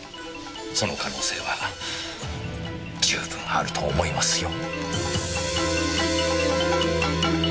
その可能性は十分あると思いますよ。